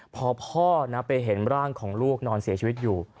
พอพ่อไปเห็นร่างของลูกนอนเสียชีวิตอยู่